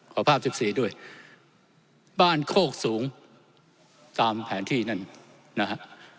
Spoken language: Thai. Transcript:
ขอภาพ๑๔ด้วยบ้านโคกสูงตามแผนที่นั่นนะฮะ